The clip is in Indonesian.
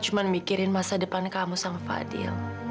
saya hanya berpikir pada masa depan kamu dengan fadil